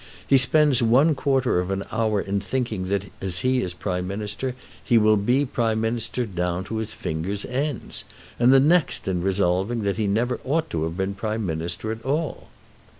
He spends one quarter of an hour in thinking that as he is Prime Minister he will be Prime Minister down to his fingers' ends, and the next in resolving that he never ought to have been Prime Minister at all."